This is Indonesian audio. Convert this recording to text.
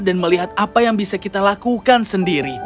dan melihat apa yang bisa kita lakukan sendiri